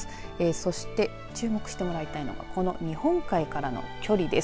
そして注目してもらいたいのはこの日本海からの距離です。